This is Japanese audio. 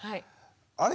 あれ？